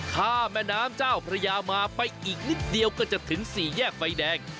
ข้ามแม่น้ำเจ้าพระยามาไปอีกนิดเดียวก็จะถึงสี่แยกไฟแดง